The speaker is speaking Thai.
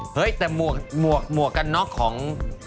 เฮ้ยแต่หมวกกันน็อกของ